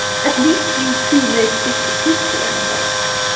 At least we two may speak the truth to one another."